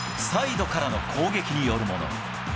サイドからの攻撃によるもの。